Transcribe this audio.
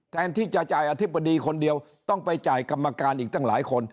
แทนที่จะจ่ายอธิบดีคนเดียวต้องไปจ่ายกรรมการอีกตั้งหลายคน